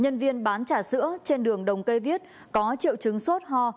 nhân viên bán trà sữa trên đường đồng cây viết có triệu chứng sốt ho